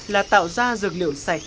là tạo ra dược liệu sạch